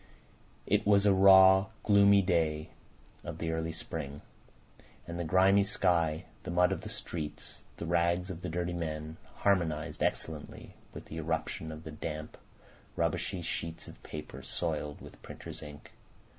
It was a raw, gloomy day of the early spring; and the grimy sky, the mud of the streets, the rags of the dirty men, harmonised excellently with the eruption of the damp, rubbishy sheets of paper soiled with printers' ink.